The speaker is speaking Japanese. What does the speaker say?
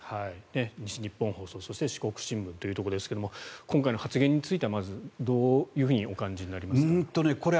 西日本放送、そして四国新聞というところですが今回の発言についてはまず、どういうふうにお感じになりますか？